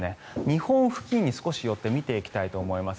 日本付近に少し寄って見ていきたいと思います。